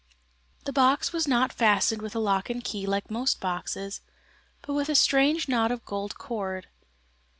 The box was not fastened with a lock and key like most boxes, but with a strange knot of gold cord.